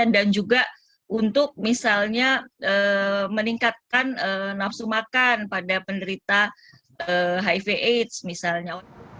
dan juga untuk misalnya meningkatkan nafsu makan pada penderita hiv aids misalnya